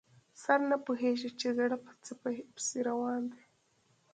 سر نه پوهېږي چې زړه په څه پسې روان دی.